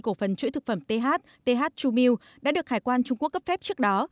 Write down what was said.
cổ phần chuỗi thực phẩm th th chumilk đã được hải quan trung quốc cấp phép trước đó